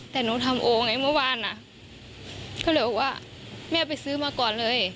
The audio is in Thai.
แต่หนูทำโอไงเมื่อวานอ่ะก็เลยบอกว่าแม่ไปซื้อมาก่อนเลย